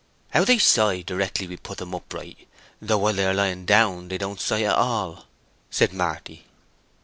"How they sigh directly we put 'em upright, though while they are lying down they don't sigh at all," said Marty.